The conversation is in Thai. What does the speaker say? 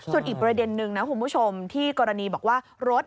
ส่วนอีกประเด็นนึงนะคุณผู้ชมที่กรณีบอกว่ารถ